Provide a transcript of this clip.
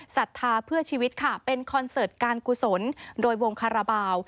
ศรัทธาเพื่อชีวิตค่ะเป็นคอนเสิร์ตการกุศลโดยวงคาราบาล